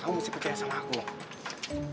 kamu harus percaya sama aku dong